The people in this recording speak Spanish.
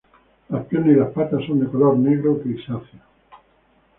Las piernas y las patas son de color negro grisáceo.